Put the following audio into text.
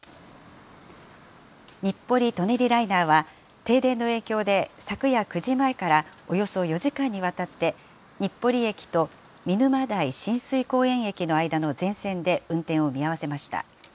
日暮里・舎人ライナーは、停電の影響で昨夜９時前からおよそ４時間にわたって、日暮里駅と見沼代親水公園駅の間の全線で運転を見合わせました。